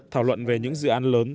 thảo luận về những dự án lớn